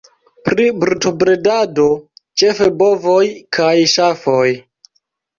Pri brutobredado ĉefe bovoj kaj ŝafoj.